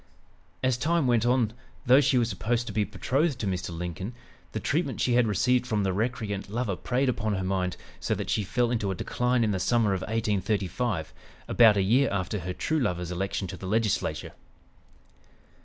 As time went on, though she was supposed to be betrothed to Mr. Lincoln, the treatment she had received from the recreant lover preyed upon her mind so that she fell into a decline in the summer of 1835, about a year after her true lover's election to the Legislature.